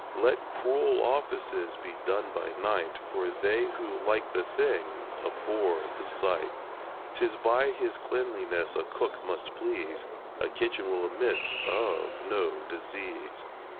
Let cruel offices be done by night, For they who like the thing abhor the sight. 'Tis by his cleanliness a cook must please; A kitchen will admit of no disease.